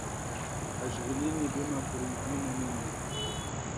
اشغليني بما تريدين مني